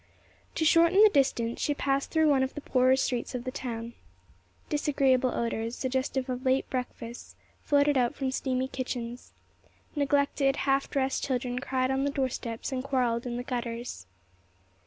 To shorten the distance, she passed through one of the poorer streets of the town. Disagreeable odors, suggestive of late breakfasts, floated out from steamy kitchens. Neglected, half dressed children cried on the doorsteps and quarreled in the gutters.